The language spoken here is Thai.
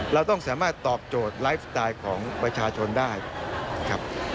เราต้องสามารถตอบโจทย์ไลฟ์สไตล์ของประชาชนได้ครับ